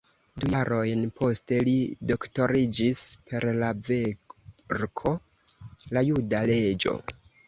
Du jarojn poste li doktoriĝis per la verko "La juda leĝo.